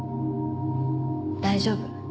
大丈夫。